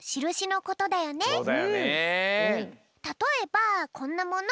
たとえばこんなもの。